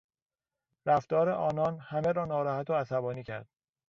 رفتار آنان همه را ناراحت و عصبانی کرد.